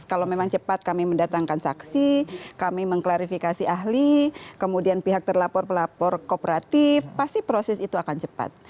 kalau memang cepat kami mendatangkan saksi kami mengklarifikasi ahli kemudian pihak terlapor pelapor kooperatif pasti proses itu akan cepat